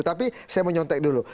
tapi saya menyontek dulu